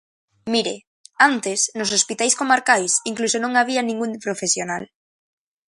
Mire, antes, nos hospitais comarcais, incluso non había ningún profesional.